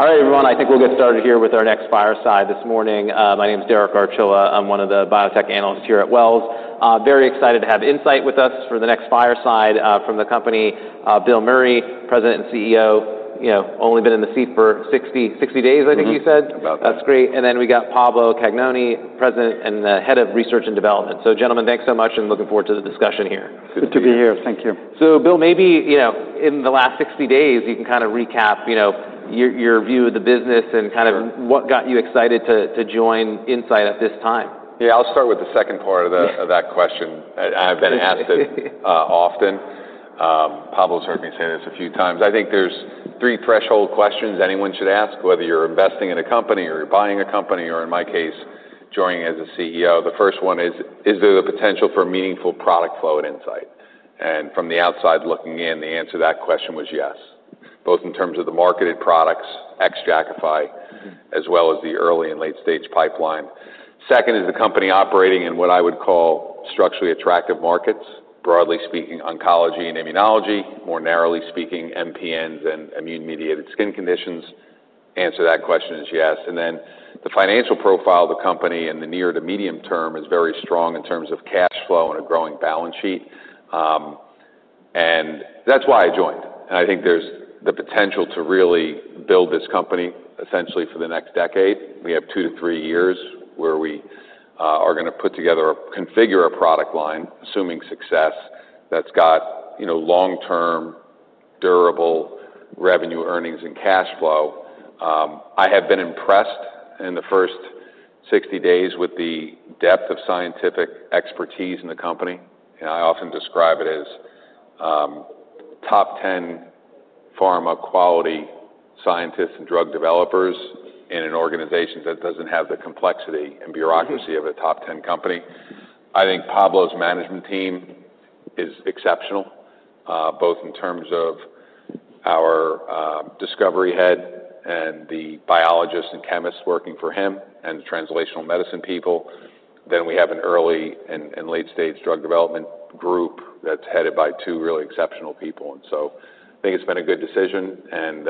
All right, everyone. I think we'll get started here with our next fireside this morning. My name is Derek Archila. I'm one of the biotech analysts here at Wells. Very excited to have insight with us for the next fireside from the company. Bill Murray, President and CEO, only been in the seat for sixty days, I think you said, that's great. And then we got Pablo Cagnoni, President and Head of Research and Development. So gentlemen, thanks so much and looking forward to the discussion here. Good to be here. Thank you. So Bill, maybe in the last sixty days, you can kind of recap your view of the business and kind of what got you excited to join Insight at this time? Yes, I'll start with the second part of that question. I've been asked often. Pablo has heard me say this a few times. I think there's three threshold questions anyone should ask whether you're investing in a company or you're buying a company or in my case joining as a CEO. The first one is, is there a potential for meaningful product flow at Insight? And from the outside looking in, the answer to that question was yes, both in terms of the marketed products ex Jakafi as well as the early and late stage pipeline. Second is the company operating in what I would call structurally attractive markets, broadly speaking, oncology and immunology, more narrowly speaking, MPNs and immune mediated skin conditions? Answer to that question is yes. And then the financial profile of the company in the near to medium term is very strong in terms of cash flow and a growing balance sheet. And that's why I joined. And I think there's the potential to really build this company essentially for the next decade. We have two to three years where we are going to put together or configure a product line assuming success that's got long term durable revenue earnings and cash flow. I have been impressed in the first sixty days with the depth of scientific expertise in the company. And I often describe it as top 10 pharma quality scientists and drug developers in an organization that doesn't have the complexity and bureaucracy I of a top 10 think Pablo's management team is exceptional, both in terms of our discovery head and the biologists and chemists working for him and the translational medicine people. Then we have an early and late stage drug development group that's headed by two really exceptional people. And so I think it's been a good decision, and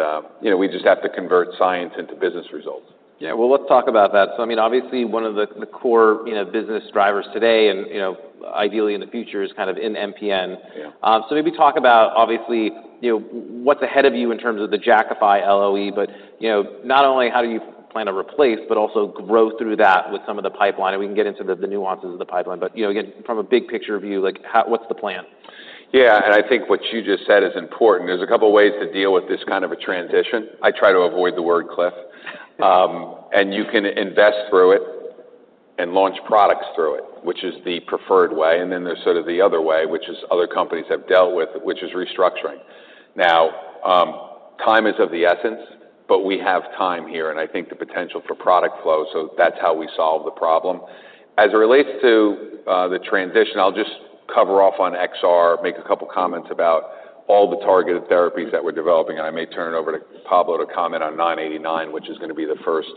we just have to convert science into business results. Yes. Well, let's talk about that. So I mean, obviously, of the core business drivers today and ideally in the future is kind of in MPN. So maybe talk about, obviously, what's ahead of you in terms of the Jakafi LOE, but not only how do you plan to replace, but also grow through that with some of the pipeline, and we can get into the nuances of the pipeline. But from a big picture view, like what's the plan? Yes. And I think what you just said is important. There's a couple of ways to deal with this kind of a transition. I try to avoid the word cliff. And you can invest through it and launch products through it, which is the preferred way. And then there's sort of the other way, which is other companies have dealt with, which is restructuring. Now time is of the essence, but we have time here, and I think the potential for product flow. So that's how we solve the problem. As it relates to the transition, I'll just cover off on XR, make a couple of comments about all the targeted therapies that we're developing. I may turn it over to Pablo to comment on 989, which is going be the first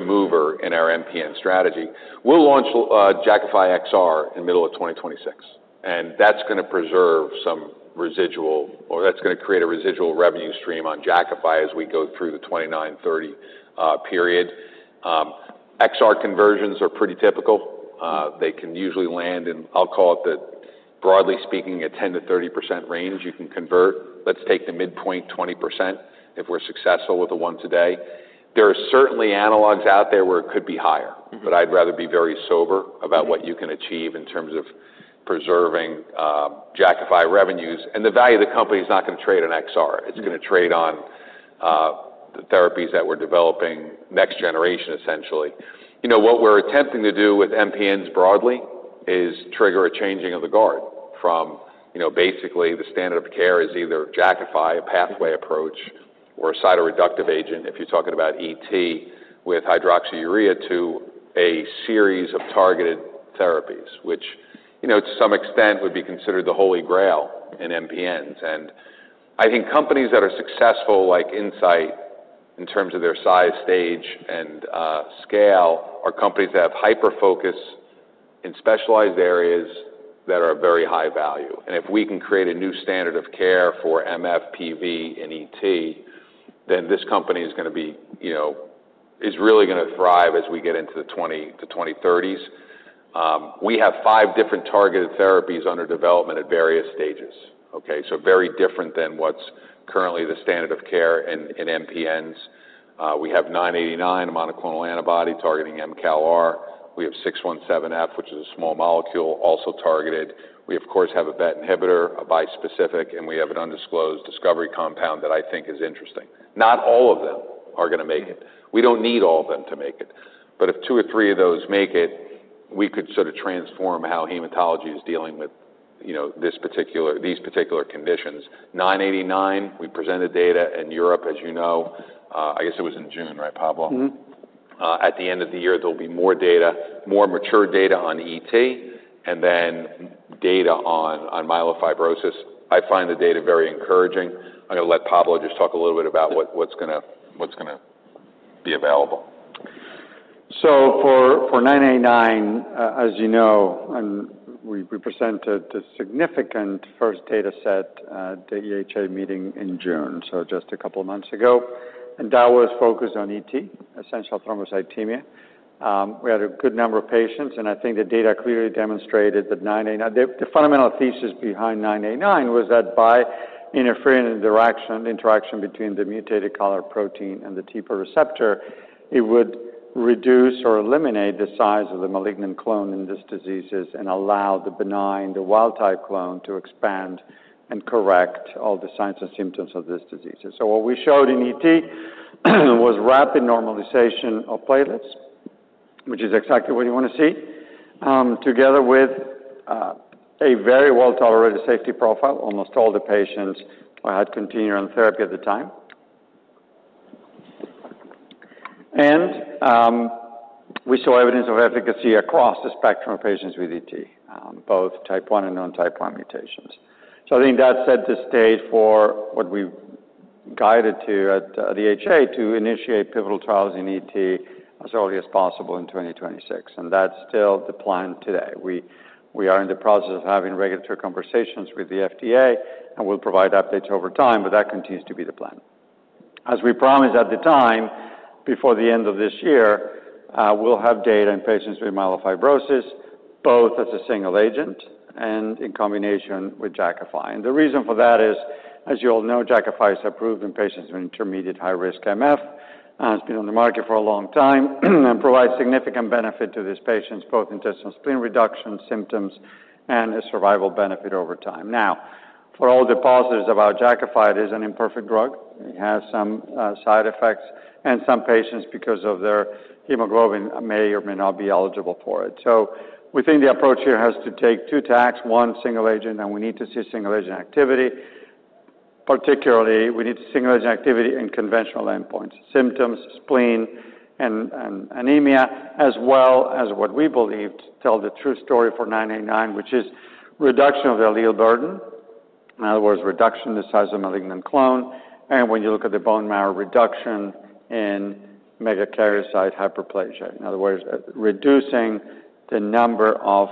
mover in our MPN strategy. We'll launch Jakafi XR in 2026. And that's going to preserve some residual or that's going to create a residual revenue stream on Jakafi as we go through the 2930 period. XR conversions are pretty typical. They can usually land in, I'll call it, the broadly speaking, a 10% to 30% range you can convert. Let's take the midpoint 20% if we're successful with the one today. There are certainly analogs out there where it could be higher, but I'd rather be very sober about what you can achieve in terms of preserving Jakafi revenues. And the value of the company is not going to trade on XR. It's going to trade on therapies that we're developing next generation essentially. What we're attempting to do with MPNs broadly is trigger a changing of the guard from basically the standard of care is either Jakafi pathway approach or cytoreductive agent, if you're talking about ET with hydroxyurea to a series of targeted therapies, which to some extent would be considered the holy grail in MPNs. And I think companies that are successful like Insight in terms of their size, stage and scale are companies that have hyper focus in specialized areas that are very high value. And if we can create a new standard of care for MF, PV and ET, then this company is going to be is really going to thrive as we get into the 2030s. We have five different targeted therapies under development at various stages, okay? So very different than what's currently the standard of care in MPNs. We have nine eighty nine, a monoclonal antibody targeting mCalR. We have 617F, which is a small molecule also targeted. We, of course, have a BET inhibitor, a bispecific, and we have an undisclosed discovery compound that I think is interesting. Not all of them are going to make it. We don't need all of them to make it. But if two or three of those make it, we could sort of transform how hematology is dealing with this particular these particular conditions. September, we presented data in Europe, as you know, I guess it was in June, right, Pablo? At the end of the year, there will be more data, more mature data on ET and then data on myelofibrosis. I find the data very encouraging. I'm going let Pablo just talk a little bit about what's going to be available. So for September, as you know, we presented a significant first data set at the EHA meeting in June, so just a couple of months ago. And that was focused on ET, essential thrombocythemia. We had a good number of patients, and I think the data clearly demonstrated that nine eighty nine the fundamental thesis behind nine eighty nine was that by interferon interaction between the mutated color protein and the TPA receptor, it would reduce or eliminate the size of the malignant clone in these diseases and allow the benign, the wild type clone, to expand and correct all the signs and symptoms of this disease. So what we showed in ET was rapid normalization of platelets, which is exactly what you want to see, together with a very well tolerated safety profile. Almost all the patients had continued on therapy at the time. And we saw evidence of efficacy across the spectrum of patients with ET, both type I and non type I mutations. So I think that set the stage for what we guided to at DHA to initiate pivotal trials in ET as early as possible in 2026. And that's still the plan today. We are in the process of having regulatory conversations with the FDA, and we'll provide updates over time, but that continues to be the plan. As we promised at the time, before the end of this year, we'll have data in patients with myelofibrosis, both as a single agent and in combination with Jakafi. And the reason for that is, as you all know, Jakafi is approved in patients with intermediate high risk MF, has been on the market for a long time and provides significant benefit to these patients, both intestinal spleen reduction symptoms and a survival benefit over time. Now for all the positives of our Jakafi, it is an imperfect drug. It has some side effects. And some patients, because of their hemoglobin, may or may not be eligible for it. So we think the approach here has to take two tacks, one single agent, and we need to see single agent activity. Particularly, we need to see single agent activity in conventional endpoints, symptoms, spleen and anemia, as well as what we believe tell the true story for nine eighty nine, which is reduction of the allele burden, in other words, reduction in the size of malignant clone, and when you look at the bone marrow, reduction in megakaryocyte hyperplasia, in other words, reducing the number of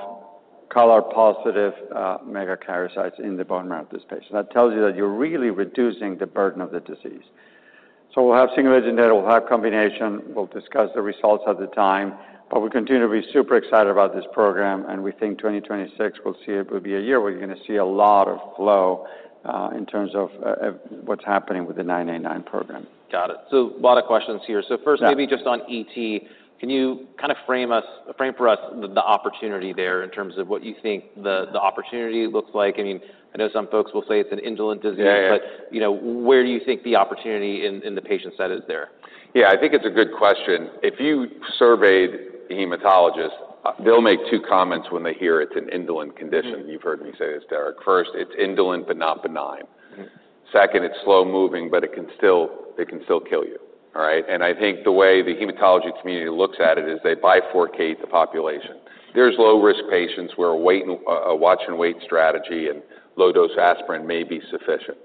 KALAR positive karyocytes in the bone marrow of this patient. That tells you that you're really reducing the burden of the disease. So we'll have single agent data. We'll have combination. We'll discuss the results at the time, but we continue to be super excited about this program. And we think twenty twenty six will see it will be a year where you're going to see a lot of flow in terms of what's happening with the nine eighty nine program. Got it. So a lot of questions here. First, maybe just on ET. You kind of frame us frame for us the opportunity there in terms of what you think the opportunity looks like? I mean I know some folks will say it's an indolent disease, but where do you think the opportunity in the patient set is there? Yes. I think it's a good question. If you surveyed hematologists, they'll make two comments when they hear it's an indolent condition. You've heard me say this, Derek. First, it's indolent but not benign. Second, it's slow moving, but it can still kill you, all right? And I think the way the hematology community looks at it is they bifurcate the population. There's low risk patients where a watch and wait strategy and low dose aspirin may be sufficient.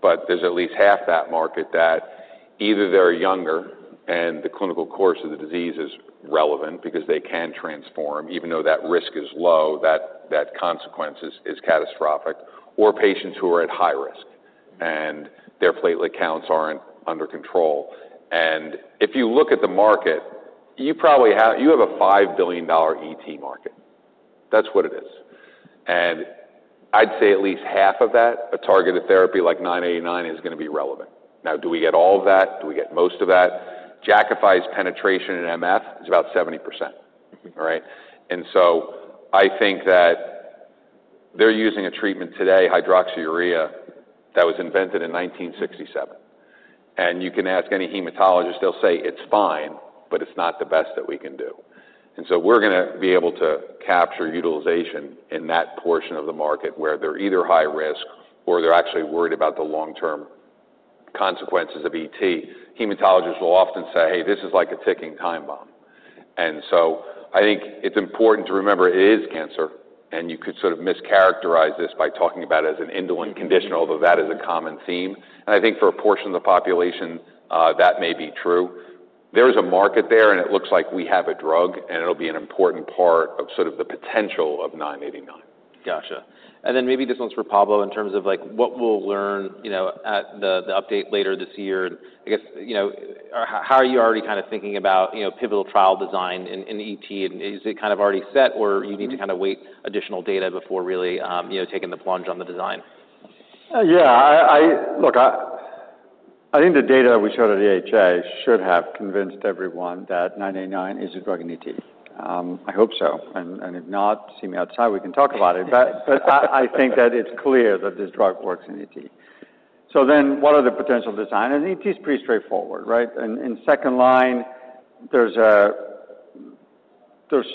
But there's at least half that market that either they're younger and the clinical course of the disease is relevant because they can transform even though that risk is low, that consequence is catastrophic or patients who are at high risk and their platelet counts aren't under control. And if you look at the market, you probably have you have a $5,000,000,000 ET market. That's what it is. And I'd say at least half of that, a targeted therapy like nine eighty nine is going to be relevant. Now do we get all of that? Do we get most of that? Jakafi's penetration in MF is about seventy percent, all right? And so I think that they're using a treatment today, hydroxyurea, that was invented in 1967. And you can ask any hematologist, they'll say it's fine, but it's not the best that we can do. And so we're going to be able to capture utilization in that portion of the market where they're either high risk or they're actually worried about the long term consequences of ET, hematologists will often say, hey, this is like a ticking time bomb. And so I think it's important to remember it is cancer and you could sort of mischaracterize this by talking about it as an indolent condition, although that is a common theme. I think for a portion of the population, that may be true. There is a market there, and it looks like we have a drug, and it will be an important part of sort of the potential of September. Got you. And then maybe this one's for Pablo in terms of like what we'll learn at the update later this year. And I guess how are you already kind of thinking about pivotal trial design in ET? And is it kind of already set? Or you need to kind of wait additional data before really taking the plunge on the design? Yes. Look, I think the data we showed at should have convinced everyone that nine eighty nine is a drug in ET. I hope so. And if not, see me outside, we can talk about it. But I think that it's clear that this drug works in ET. So then what are the potential designs? And ET is pretty straightforward. Right? In second line, there's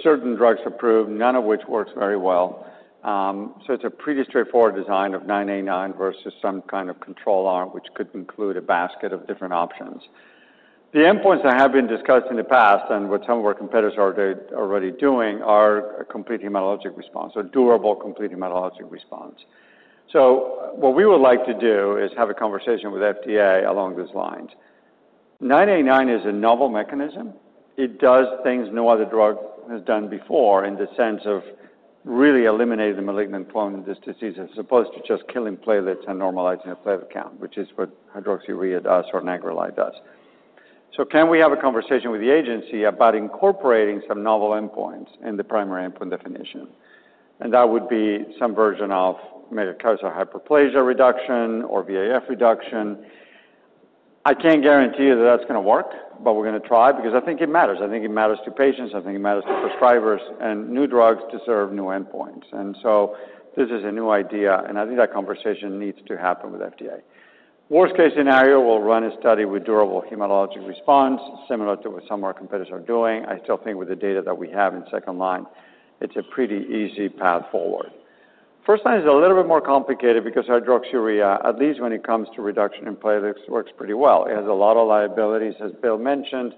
certain drugs approved, none of which works very well. So it's a pretty straightforward design of nine eighty nine versus some kind of control arm, which could include a basket of different options. The endpoints that have been discussed in the past and what some of our competitors are already doing are a complete hematologic response, a durable complete hematologic response. So what we would like to do is have a conversation with FDA along those lines. Nine eighty nine is a novel mechanism. It does things no other drug has done before in the sense of really eliminating the malignant clone of this disease as opposed to just killing platelets and normalizing a platelet count, which is what hydroxyurea does or nigrolide does. So can we have a conversation with the agency about incorporating some novel endpoints in the primary endpoint definition? And that would be some version of megakarsal hyperplasia reduction or VAF reduction. I can't guarantee you that that's going to work, but we're going to try because I think it matters. I think it matters to patients. I think it matters to prescribers, and new drugs deserve new endpoints. And so this is a new idea, and I think that conversation needs to happen with FDA. Worst case scenario, we'll run a study with durable hematologic response, similar to what some of our competitors are doing. I still think with the data that we have in second line, it's a pretty easy path forward. First line is a little bit more complicated because hydroxyurea, at least when it comes to reduction in platelets, works pretty well. It has a lot of liabilities, as Bill mentioned,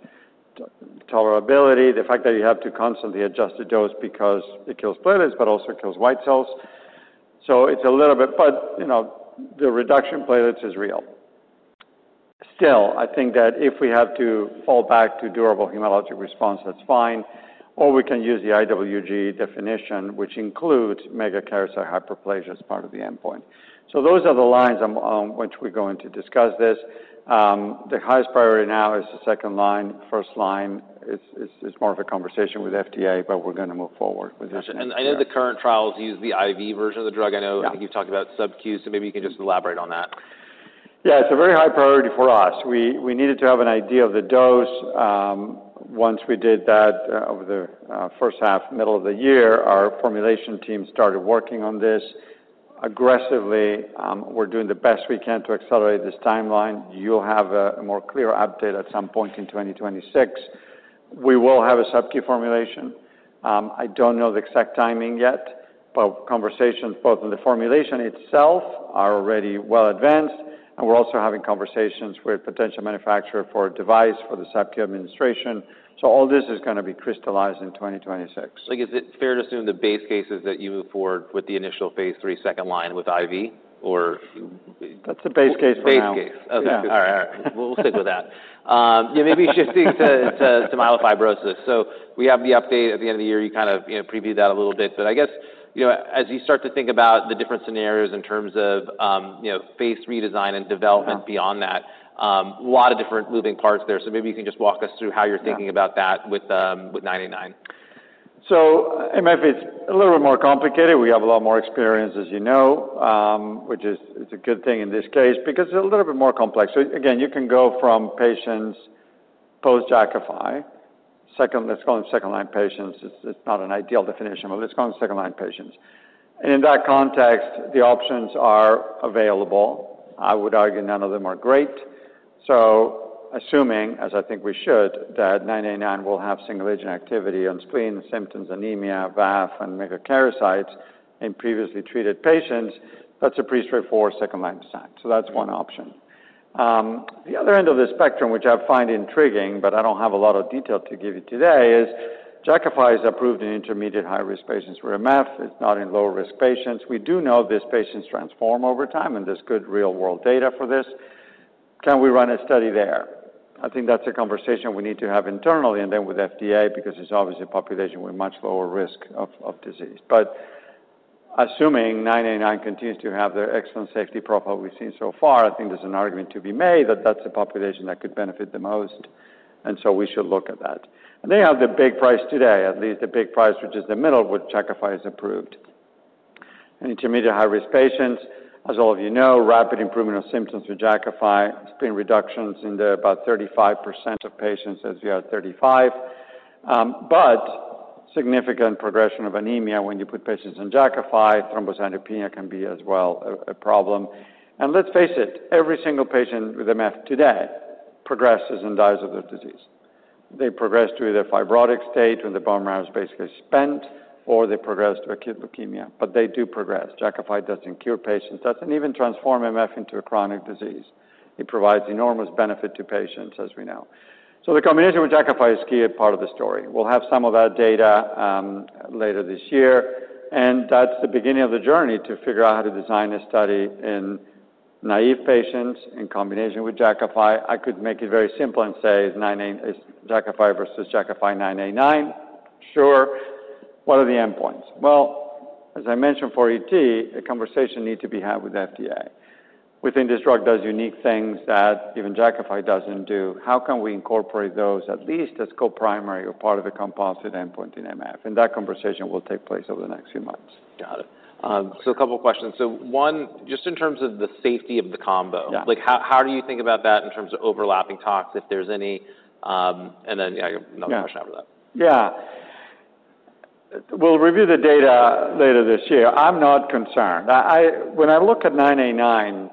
tolerability, the fact that you have to constantly adjust the dose because it kills platelets but also kills white cells. So it's a little bit you know, the reduction platelets is real. Still, I think that if we have to fall back to durable hematologic response, that's fine. Or we can use the IWG definition, which includes megakaryocyte hyperplasia as part of the endpoint. So those are the lines on which we're going to discuss this. The highest priority now is the second line. First line is more of a conversation with FDA, but we're going to move forward with this. And I know the current trials use the IV version of the drug. Know I think you've talked about subcu, so maybe you can just elaborate on that. Yes. It's a very high priority for us. We needed to have an idea of the dose. Once we did that over the first half, middle of the year, our formulation team started working on this aggressively. We're doing the best we can to accelerate this timeline. You'll have a more clear update at some point in 2026. We will have a subcu formulation. I don't know the exact timing yet, but conversations both on the formulation itself are already well advanced, and we're also having conversations with potential manufacturer for a device for the subcu administration. So all this is going to be crystallized in 2020 Like is it fair to assume the base cases that you move forward with the initial Phase III second line with IV? Or That's a base case right Base case. Okay. Right. We'll stick with that. Yes. Maybe shifting to myelofibrosis. So we have the update at the end of the year. You kind of previewed that a little bit. But I guess as you start to think about the different scenarios in terms of Phase III design and development beyond that, a lot of different moving parts there. So maybe you can just walk us through how you're thinking about that with September. So MF is a little bit more complicated. We have a lot more experience, as you know, which is it's a good thing in this case because it's a little bit more complex. So, again, you can go from patients post Jakafi. Second let's call them second line patients. It's it's not an ideal definition, but let's call them second line patients. And in that context, the options are available. I would argue none of them are great. So assuming, as I think we should, that nine eighty nine will have single agent activity on spleen, symptoms anemia, Vaf, and megakaryocytes in previously treated patients, that's a pretty straightforward second line stat. So that's one option. The other end of the spectrum, which I find intriguing, but I don't have a lot of detail to give you today, is Jakafi is approved in intermediate high risk patients for MF. It's not in low risk patients. We do know these patients transform over time, and there's good real world data for this. Can we run a study there? I think that's a conversation we need to have internally and then with FDA, because it's obviously a population with much lower risk of disease. But assuming September continues to have their excellent safety profile we've seen so far, I think there's an argument to be made that that's population that could benefit the most, and so we should look at that. And they have the big price today, at least the big price which is the middle where Jakafi is approved. Intermediate high risk patients, as all of you know, rapid improvement of symptoms for Jakafi, spin reductions in the about thirty five percent of patients as we are at thirty five. But significant progression of anemia when you put patients on Jakafi, thrombocytopenia can be as well a problem. And let's face it, every single patient with MF today progresses and dies of the disease. They progress to either fibrotic state when the bone marrow is basically spent, or they progress to acute leukemia. But they do progress. Jakafi doesn't cure patients. Doesn't even transform MF into a chronic disease. It provides enormous benefit to patients as we know. So the combination with Jakafi is a key part of the story. We'll have some of that data later this year, and that's the beginning of the journey to figure out how to design this study in naive patients in combination with Jakafi. I could make it very simple and say, is Jakafi versus Jakafi nine eighty nine? Sure. What are the endpoints? Well, as I mentioned for ET, a conversation needs to be had with FDA. We think this drug does unique things that even JAK5 doesn't do. How can we incorporate those at least as co primary or part of the composite endpoint in MF? And that conversation will take place over the next few months. Got it. So a couple of questions. So one, just in terms of the safety of the combo, like how do you think about that in terms of overlapping talks, if there's any? And then I have another Yeah. Question after We'll review the data later this year. I'm not concerned. When I look at September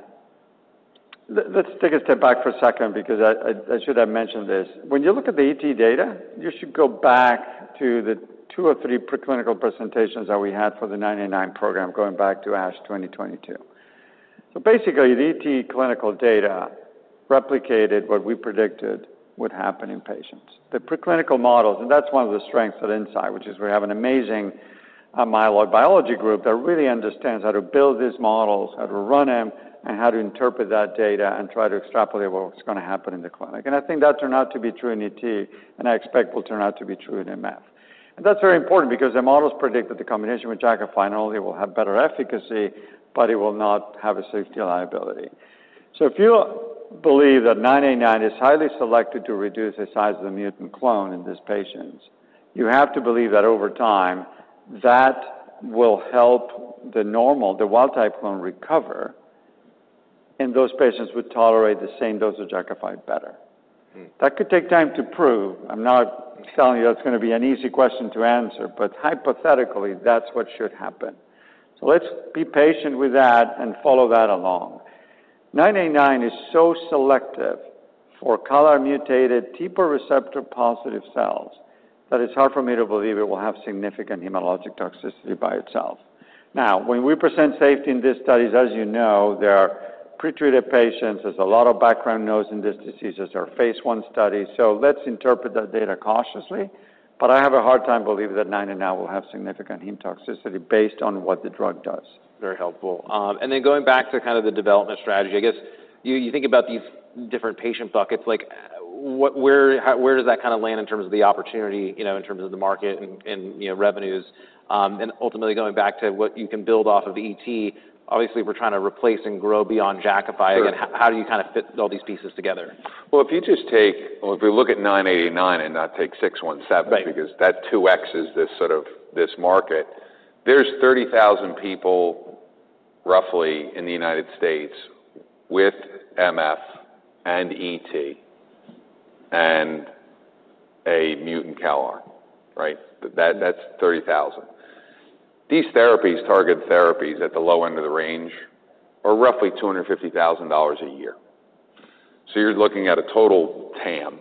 let's take a step back for a second because I should have mentioned this. When you look at the ET data, you should go back to the two or three preclinical presentations that we had for the September program going back to ASH twenty twenty two. So basically, the ET clinical data replicated what we predicted would happen in patients. The preclinical models, and that's one of the strengths of Insight, which is we have an amazing myeloid biology group that really understands how to build these models, how to run them, and how to interpret that data, and try to extrapolate what's going to happen in the clinic. And I think that turned out to be true in ET, I expect will turn out to be true in MF. And that's very important because the models predict that the combination with Jakafi and only will have better efficacy, but it will not have a safety liability. So if you believe that nine eighty nine is highly selected to reduce the size of the mutant clone in these patients, you have to believe that over time that will help the normal, the wild type clone, recover, and those patients would tolerate the same dose of Jakafi better. That could take time to prove. I'm not telling you that's gonna be an easy question to answer, but hypothetically, that's what should happen. So let's be patient with that and follow that along. Nine eighty nine is so selective for color mutated TPO receptor positive cells that it's hard for me to believe it will have significant hematologic toxicity by itself. Now when we present safety in these studies, as you know, they are pretreated patients. There's a lot of background noise in this disease. Those are Phase I studies. So let's interpret that data cautiously. But I have a hard time believing that 9N9 will have significant hemotoxicity based on what the drug does. Very helpful. And then going back to kind of the development strategy, I guess you think about these different patient buckets, like what where does that kind of land in terms of the opportunity, in terms of the market and revenues? And ultimately, back to what you can build off of ET, obviously, we're trying to replace and grow beyond Jakafi. Well, Again, how do you kind of fit all these pieces if you just take or if we look at nine eighty nine and not take six seventeen because that 2x is this sort of this market, There's 30,000 people roughly in The United States with MF and ET and a mutant cal arm, right? That's 30,000. These therapies target therapies at the low end of the range are roughly $250,000 a year. So you're looking at a total TAM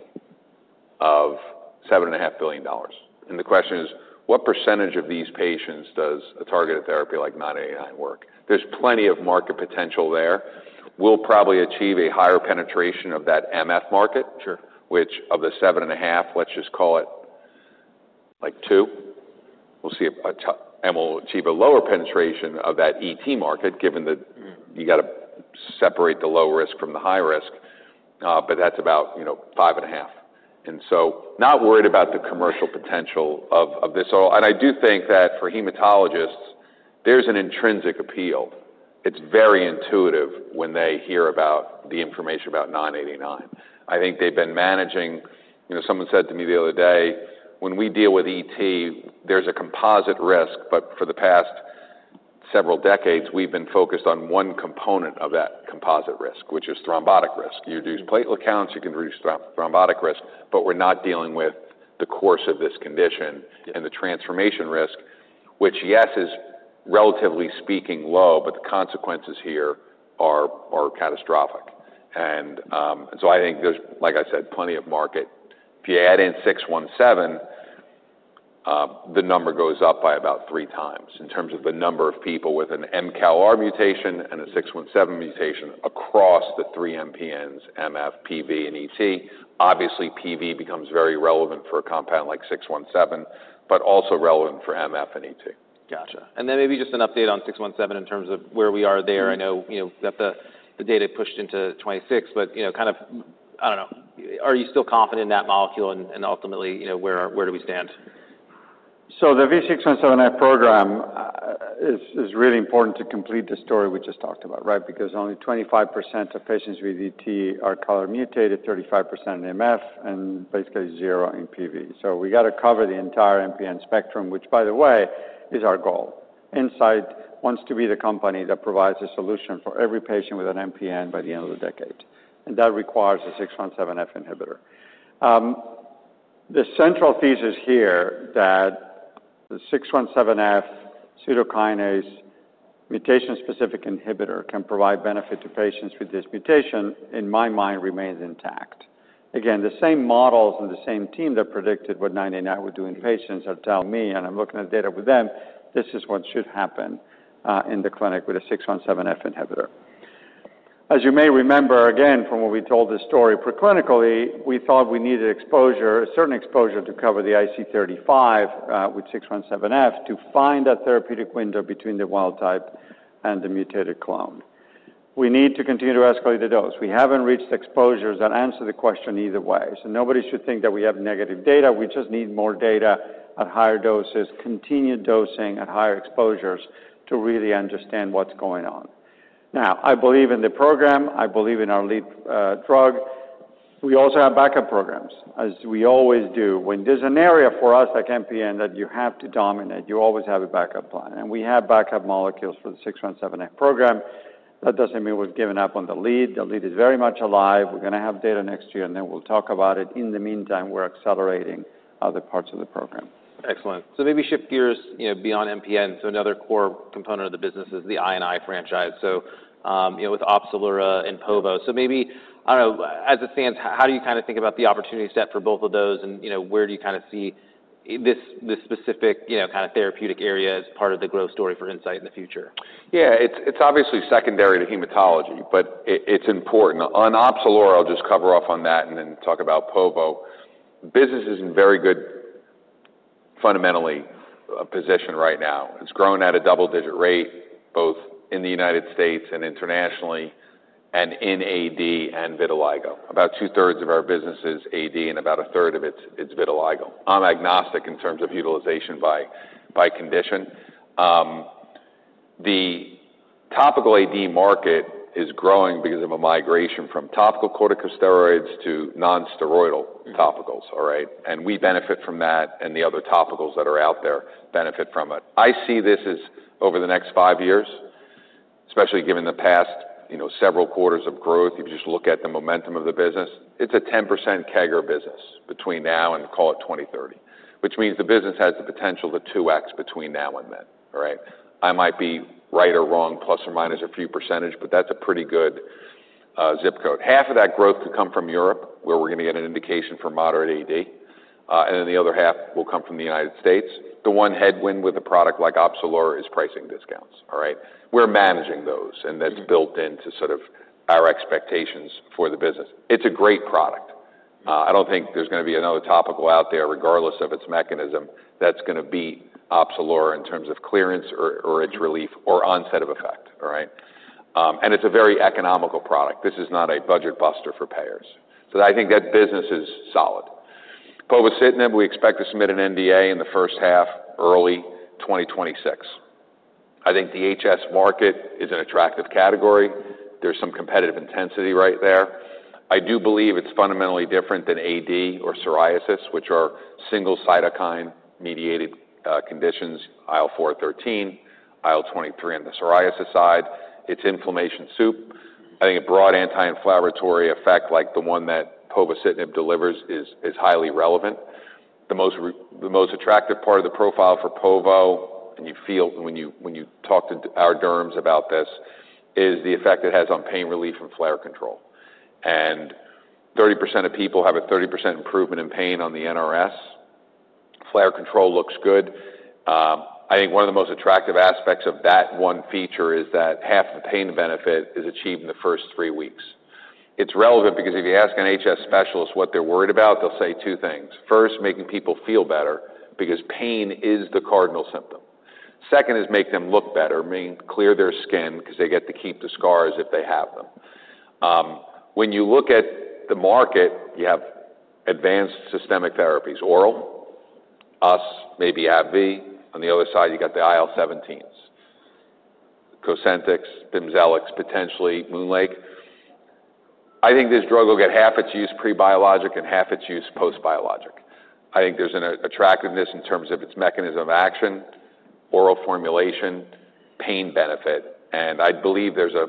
of $7,500,000,000 And the question is, what percentage of these patients does a targeted therapy like nine eighty nine work? There's plenty of market potential there. We'll probably achieve a higher penetration of that MF market, of the 7,500,000,000.0 let's just call it like two percent, we'll see and we'll achieve a lower penetration of that ET market given that you got to separate the low risk from the high risk, but that's about 5.5 And so not worried about the commercial potential of this all. And I do think that for hematologists, there's an intrinsic appeal. It's very intuitive when they hear about the information about $9.89. I think they've been managing someone said to me the other day, when we deal with ET, there's a composite risk, but for the past several decades, we've been focused on one component of that composite risk, which is thrombotic risk. You reduce platelet counts, you can reduce thrombotic risk, but we're not dealing with the course of this condition and the transformation risk, which, yes, is relatively speaking low, but the consequences here are catastrophic. And so I think there's, like I said, plenty of market. If you add in six seventeen, the number goes up by about three times in terms of the number of people with an M CalR mutation and a six seventeen mutation across the three MPNs MF, PV and ET. Obviously, PV becomes very relevant for a compound like six seventeen, but also relevant for MF and ET. Got you. And then maybe just an update on six seventeen in terms of where we are there. I know that the data pushed into 2026, but kind of I don't know, are you still confident in that molecule? And ultimately, where do we stand? So the V617F program is really important to complete the story we just talked about, right? Because only twenty five percent of patients with DT are color mutated, thirty five percent MF, and basically zero in PV. So we got to cover the entire MPN spectrum, which by the way is our goal. Insight wants to be the company that provides a solution for every patient with an NPN by the end of the decade. And that requires a six seventeen inhibitor. The central thesis here that the six seventeen F pseudokinase mutation specific inhibitor can provide benefit to patients with this mutation, in my mind, remains intact. Again, the same models and the same team that predicted what nine eighty nine would do in patients have told me, and I'm looking at data with them, this is what should happen in the clinic with a 617F inhibitor. As you may remember, again from what we told this story preclinically, we thought we needed exposure, a certain exposure to cover the IC35 with 617F to find that therapeutic window between the wild type and the mutated clone. We need to continue to escalate the dose. We haven't reached exposures that answer the question either way. So nobody should think that we have negative data. We just need more data at higher doses, continued dosing at higher exposures to really understand what's going on. Now I believe in the program. I believe in our lead drug. We also have backup programs, as we always do. When there's an area for us like MPN that you have to dominate, you always have a backup plan. And we have backup molecules for the six seventeen program. That doesn't mean we've given up on the lead. The lead is very much alive. We're going to have data next year, and then we'll talk about it. In the meantime, we're accelerating other parts of the program. Excellent. So maybe shift gears beyond MPN. So another core component of the business is the I and I franchise, so with Opsalura and Povo. So maybe I don't know, as it stands, how do you kind of think about opportunity set for both of those? And where do you kind of see this specific kind of therapeutic area as part of the growth story for Incyte in the future? Yes. It's obviously secondary to hematology, but it's important. On Opsilor, I'll just cover off on that and then talk about povo. Business is in very good fundamentally position right now. It's growing at a double digit rate, both in The United States and internationally and in AD and vitiligo. About twothree of our business is AD and about onethree of is vitiligo. I'm agnostic in terms of utilization by condition. The topical AD market is growing because of a migration from topical corticosteroids to nonsteroidal topicals, all right? And we benefit from that and the other topicals that are out there benefit from it. I see this as over the next five years, especially given the past several quarters of growth, if you just look at the momentum of the business, it's a 10% CAGR business between now and call it 02/1930, which means the business has the potential to 2x between now and then, all right? I might be right or wrong, plus or minus a few percentage, but that's a pretty good ZIP code. Half of that growth could come from Europe, where we're going to get an indication for moderate AD, and then the other half will come from The United States. The one headwind with a product like Opsilor is pricing discounts, all right? We're managing those, and that's built into sort of our expectations for the business. It's a great product. I don't think there's going to be another topical out there regardless of its mechanism that's going to beat Opsalor in terms of clearance or its relief or onset of effect, all right? And it's a very economical product. This is not a budget buster for payers. So I think that business is solid. Povacitinib, we expect to submit an NDA in the first half early twenty twenty six. I think the HS market is an attractive category. There's some competitive intensity right there. I do believe it's fundamentally different than AD or psoriasis, which are single cytokine mediated conditions, IL-four thirteen, IL-twenty three on the psoriasis side, it's inflammation soup. I think a broad anti inflammatory effect like the one that povocitinib delivers is highly relevant. The most attractive part of the profile for Povo, and you feel when you talk to our derms about this, is the effect it has on pain relief and flare control. And thirty percent of people have a thirty percent improvement in pain on the NRS. FLAIR control looks good. I think one of the most attractive aspects of that one feature is that half the pain benefit is achieved in the first three weeks. It's relevant because if you ask an HS specialist what they're worried about, they'll say two things. First, making people feel better because pain is the cardinal symptom. Second is make them look better, meaning clear their skin because they get to keep the scars if they have them. When you look at the market, you have advanced systemic therapies, oral, us, maybe AbbVie. On the other side, you got the IL-17s. Cosentyx, Bimzellix, potentially Moon Lake. I think this drug will get half its use pre biologic and half its use post biologic. I think there's an attractiveness in terms of its mechanism of action, oral formulation, pain benefit. And I believe there's a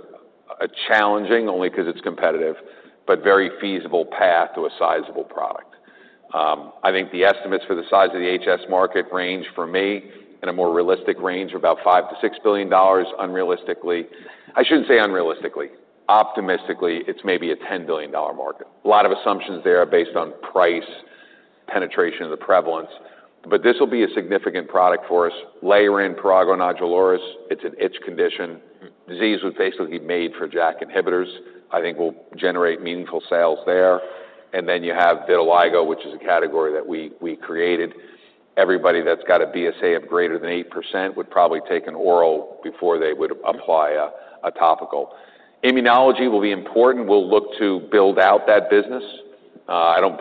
challenging only because it's competitive, but very feasible path to a sizable product. I think the estimates for the size of the HS market range for me in a more realistic range of about $5,000,000,000 to $6,000,000,000 unrealistically I shouldn't say unrealistically. Optimistically, it's maybe a $10,000,000,000 market. A lot of assumptions there are based on price, penetration of the prevalence, but this will be a significant product for us. Layer in pragvonoduloris, it's an itch condition. Disease was basically made for JAK inhibitors, I think will generate meaningful sales there. And then you have vitiligo, which is a category that we created. Everybody that's got a BSA of greater than eight percent would probably take an oral before they would apply a topical. Immunology will be important. We'll look to build out that business. I don't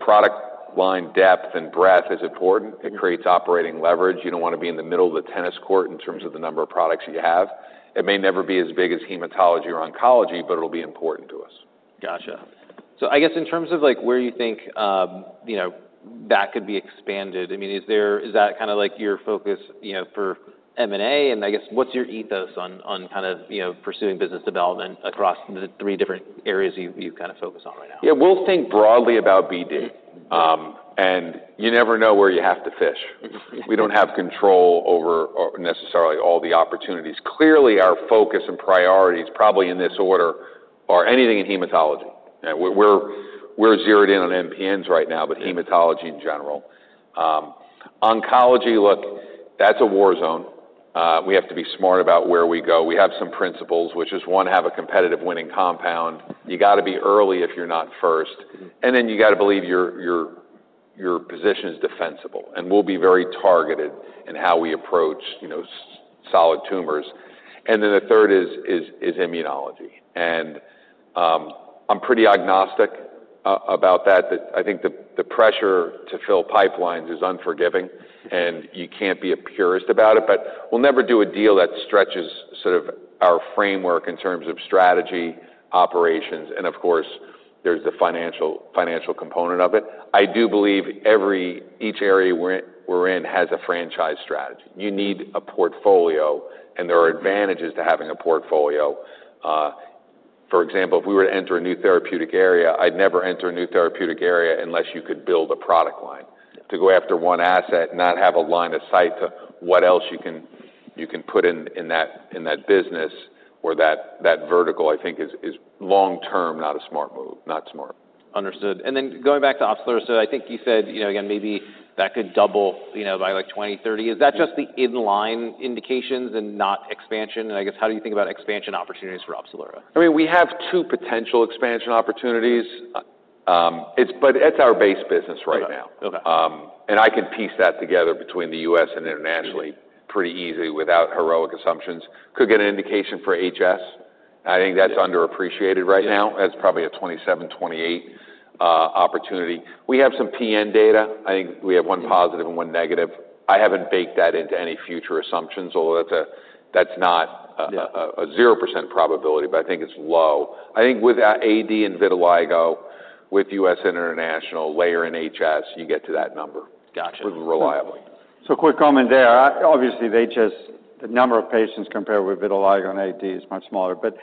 product line depth and breadth is important. It creates operating leverage. You don't want to be in the middle of the tennis court in terms of the number of products you have. It may never be as big as hematology or oncology, but it will be important to us. Got you. So I guess in terms of like where you think that could be expanded, I mean, is there is that kind of like your focus for M and A? And I guess, what's your ethos on kind of pursuing business development across the three different areas you kind of focus on right now? Yes. We'll think broadly about BD. And you never know where you have to fish. We don't have control over necessarily all the opportunities. Clearly, our focus and priorities probably in this order are anything in hematology. We're zeroed in on MPNs right now, but hematology in general. Oncology, look, that's a war zone. We have to be smart about where we go. We have some principles, which is one, have a competitive winning compound. You got to be early if you're not first. And then you got to believe your position is defensible, and we'll be very targeted in how we approach solid tumors. And then the third is immunology. And I'm pretty agnostic about that. I think the pressure to fill pipelines is unforgiving, and you can't be a purist about it. But we'll never do a deal that stretches sort of our framework in terms of strategy, operations and of course, there's the financial component of it. I do believe every each area we're in has a franchise strategy. You need a portfolio and there are advantages to having a portfolio. For example, if we were to enter a new therapeutic area, I'd never enter a new therapeutic area unless you could build a product line. To go after one asset, not have a line of sight to what else you can put in that business or that vertical, I think, is long term not a smart move not smart move. Understood. And then going back to Opsilara, so I think you said, again, maybe that could double by like 02/1930. Is that just the in line indications and not expansion? And I guess how do you think about expansion opportunities for Opsilura? I mean, we have two potential expansion opportunities. It's but it's our base business right And I can piece that together between The U. S. And internationally pretty easily without heroic assumptions. Could get an indication for HS. I think that's underappreciated right now. That's probably a 27, 28% opportunity. We have some PN data. I think we have one I positive and one haven't baked that into any future assumptions, although that's not a 0% probability, but I think it's low. I think with AD and vitiligo, with U. S. And international layer in HS, you get to that number Got you. So a quick comment there. Obviously, the HS number of patients compared with vitiligo in AD is much smaller. But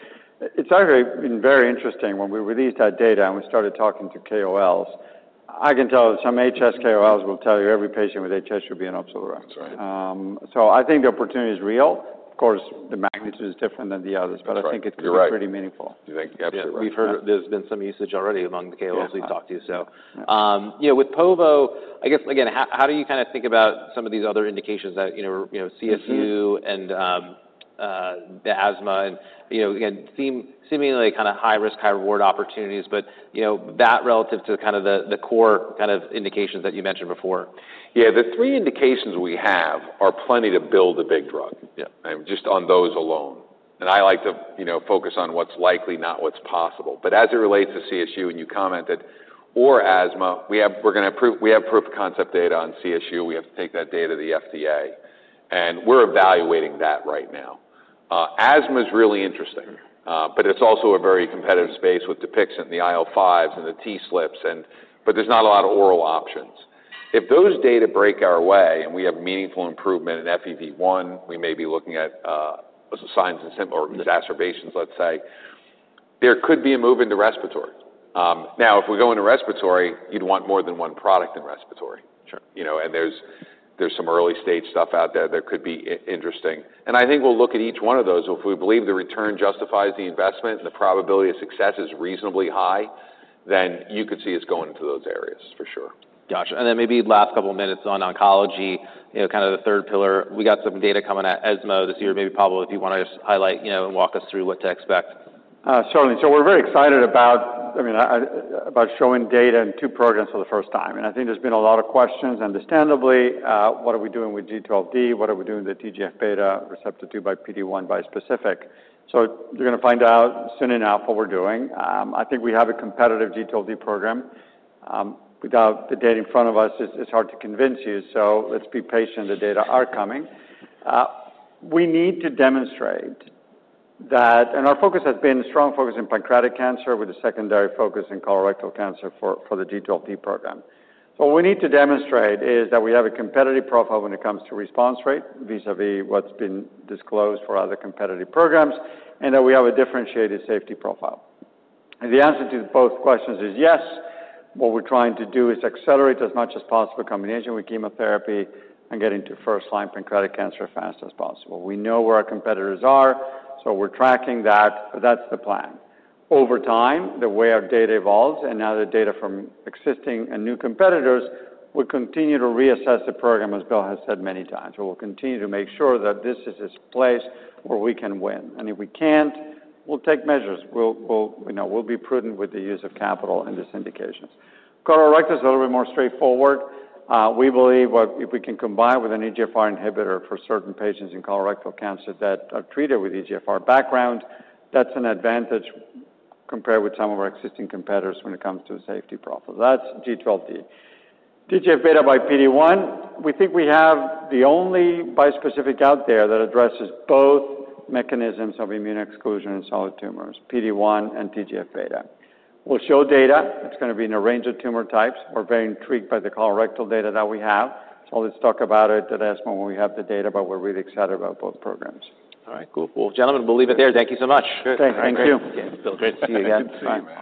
it's actually been very interesting when we released that data and we started talking to KOLs. I can tell some HS KOLs will tell you every patient with HS should be in Opsiloram. So I think the opportunity is real. Of course, the magnitude is different than the others, but I think it's pretty right. Meaningful. We've heard there's been some usage already among the KOLs we've talked to. So with povo, I guess, again, how do you kind of think about some of these other indications that CSU and asthma and again, seemingly kind of high risk, high reward opportunities, but that relative to kind of the core kind of indications that you mentioned before? Yes. The three indications we have are plenty to build the big drug, just on those alone. And I like to focus on what's likely, not what's possible. But as it relates to CSU, and you commented, or asthma, we have we're going to we have proof of concept data on CSU. We have to take that data to the FDA. And we're evaluating that right now. Asthma is really interesting, but it's also a very competitive space with Dupixent, the IL-5s and the T slips and but there's not a lot of oral options. If those data break our way and we have meaningful improvement in FEV1, we may be looking at signs or exacerbations, let's say, there could be a move into respiratory. Now if we go into respiratory, you'd want more than one product in respiratory. And there's some early stage stuff out there that could be interesting. And I think we'll look at each one of those. If we believe the return justifies the investment and the probability of success is reasonably high, then you could see us going into those areas for sure. Got you. And then maybe last couple of minutes on oncology, kind of the third pillar. We got some data coming at ESMO this year. Maybe Pablo, if you want to just highlight and walk us through what to expect. Certainly. So we're very excited about I mean, about showing data in two programs for the first time. And I think there's been a lot of questions, understandably, what are we doing with G12D, What are we doing with TGF beta receptor two by PD-one bispecific? So you're going to find out soon enough what we're doing. I think we have a competitive G12D program. Without the data in front of us, it's hard to convince you. So let's be patient. The data are coming. We need to demonstrate that and our focus has been a strong focus in pancreatic cancer with a secondary focus in colorectal cancer for the G12D program. What we need to demonstrate is that we have a competitive profile when it comes to response rate vis a vis what's been disclosed for other competitive programs, and that we have a differentiated safety profile. And the answer to both questions is yes. What we're trying to do is accelerate as much as possible combination with chemotherapy and get into first line pancreatic cancer as fast as possible. We know where our competitors are, so we're tracking that. That's the plan. Over time, the way our data evolves and now the data from existing and new competitors, we'll continue to reassess the program, as Bill has said many times. We will continue to make sure that this is a place where we can win. And if we can't, we'll take measures. We'll be prudent with the use of capital in these indications. Cholelectric is a little bit more straightforward. We believe if we can combine with an EGFR inhibitor for certain patients in colorectal cancer that are treated with EGFR background, that's an advantage compared with some of our existing competitors when it comes to safety profile. That's G12D. TGF beta by PD-one, we think we have the only bispecific out there that addresses both mechanisms of immune exclusion in solid tumors, PD-one and TGF beta. We'll show data. It's going to be in a range of tumor types. We're very intrigued by the colorectal data that we have. So let's talk about it at ESMO when we have the data, but we're really excited about both programs. All right. Cool. Well, gentlemen, we'll leave it there. Thank you so much. Thank you. Bill, great to see you again. See you, Rob.